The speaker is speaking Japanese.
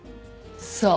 そう。